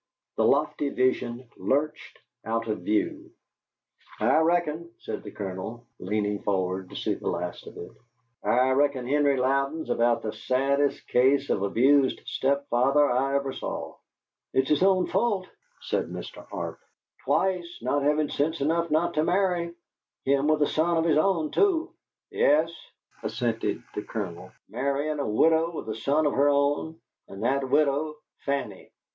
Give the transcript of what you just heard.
The lofty vision lurched out of view. "I reckon," said the Colonel, leaning forward to see the last of it "I reckon Henry Louden's about the saddest case of abused step father I ever saw." "It's his own fault," said Mr. Arp "twice not havin' sense enough not to marry. Him with a son of his own, too!" "Yes," assented the Colonel, "marryin' a widow with a son of her own, and that widow Fanny!"